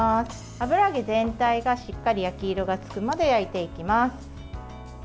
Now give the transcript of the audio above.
油揚げ全体が、しっかり焼き色がつくまで焼いていきます。